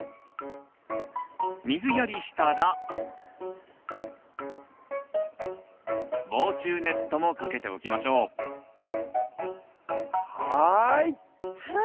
水やりしたら防虫ネットもかけておきましょうはい！